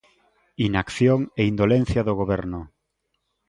Inacción e indolencia do Goberno.